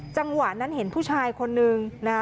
จังหวะนั้นเห็นผู้ชายคนนึงนะคะ